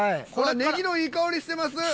これネギのいい香りしてます！